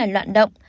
bốn loạn động